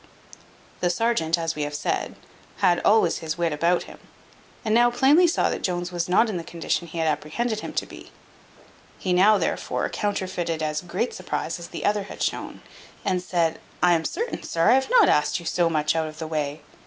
The serjeant, as we have said, had always his wit (in sensu praedicto) about him, and now plainly saw that Jones was not in the condition he had apprehended him to be; he now, therefore, counterfeited as great surprize as the other had shown, and said, "I am certain, sir, I have not asked you so much out of the way.